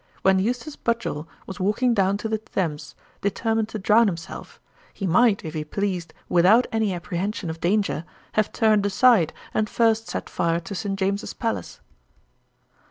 When Eustace Budgel was walking down to the Thames, determined to drown himself, he might, if he pleased, without any apprehension of danger, have turned aside, and first set fire to St. James's palace.'